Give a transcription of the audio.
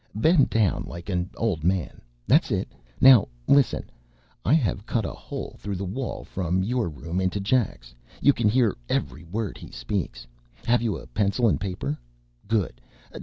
Bend down like an old man. That's it! Now, listen: I have cut a hole through the wall from your room into Jack's. You can hear every word he speaks. Have you pencil and paper? Good!